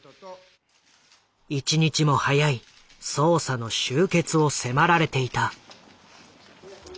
一日も早い捜査の終結を迫られていた。